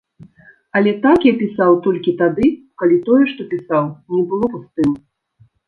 Але так я пісаў толькі тады, калі тое, што пісаў, не было пустым.